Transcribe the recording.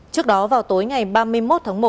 trước đó vào tối ngày ba mươi một tháng một